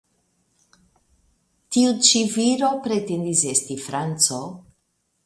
Tiu ĉi viro pretendis esti franco.